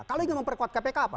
kalau ingin memperkuat kpk apa